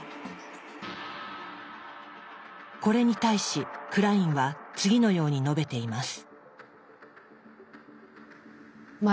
これに対しクラインは次のように述べています。